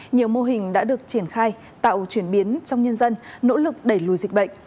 nhiều mô hình đã được triển khai tạo chuyển biến trong nhân dân nỗ lực đẩy lùi dịch bệnh